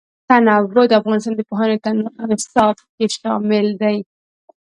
تنوع د افغانستان د پوهنې نصاب کې شامل دي.